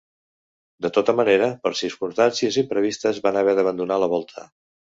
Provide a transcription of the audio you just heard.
De tota manera, per circumstàncies imprevistes van haver d'abandonar la volta.